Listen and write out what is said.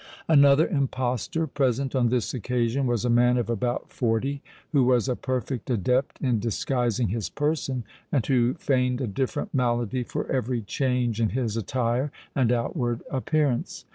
Another impostor present on this occasion was a man of about forty, who was a perfect adept in disguising his person, and who feigned a different malady for every change in his attire and outward appearance.